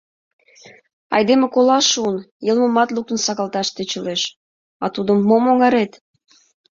Айдеме колаш шуын, йылмымат луктын сакалташ тӧчылеш, а тудо — «Мом оҥарет?».